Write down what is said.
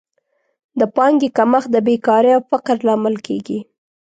د پانګې کمښت د بېکارۍ او فقر لامل کیږي.